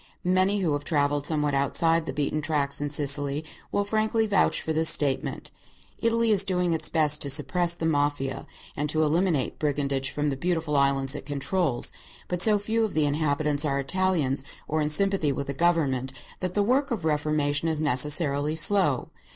Many who have travelled somewhat outside the beaten tracks in Sicily will frankly vouch for this statement. Italy is doing its best to suppress the Mafia and to eliminate brigandage from the beautiful islands it controls, but so few of the inhabitants are Italians or in sympathy with the government that the work of reformation is necessarily slow.